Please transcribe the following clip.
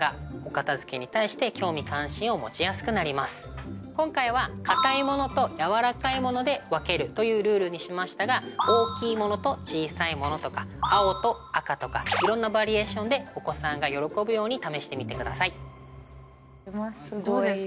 そこで今回はかたいものとやわらかいもので分けるというルールにしましたが大きいものと小さいものとか青と赤とかいろんなバリエーションでお子さんが喜ぶように試してみてください。